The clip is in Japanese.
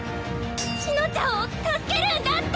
紫乃ちゃんを助けるんだって！